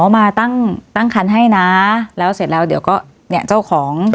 มาตั้งตั้งคันให้นะแล้วเสร็จแล้วเดี๋ยวก็เนี่ยเจ้าของ